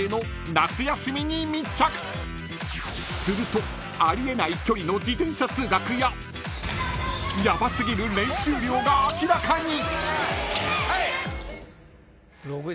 ［するとあり得ない距離の自転車通学やヤバ過ぎる練習量が明らかに！］